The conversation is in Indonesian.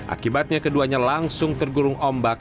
akibatnya keduanya langsung tergurung ombak